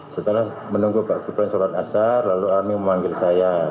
setelah menunggu pak ki plan sholat asar lalu army memanggil saya